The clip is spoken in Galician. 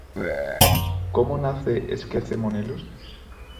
Como nace Esquece Monelos?